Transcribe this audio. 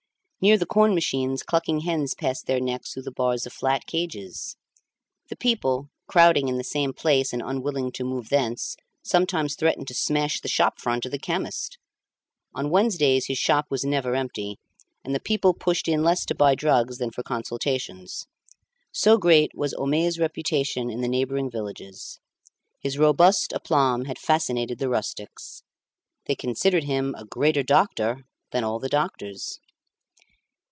Near the corn machines clucking hens passed their necks through the bars of flat cages. The people, crowding in the same place and unwilling to move thence, sometimes threatened to smash the shop front of the chemist. On Wednesdays his shop was never empty, and the people pushed in less to buy drugs than for consultations. So great was Homais' reputation in the neighbouring villages. His robust aplomb had fascinated the rustics. They considered him a greater doctor than all the doctors.